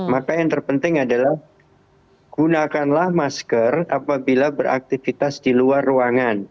maka yang terpenting adalah gunakanlah masker apabila beraktivitas di luar ruangan